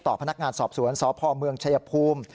พนักงานสอบสวนสพเมืองชายภูมิ